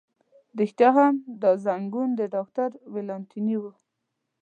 رښتیا هم، دا زنګون د ډاکټر ولانتیني و.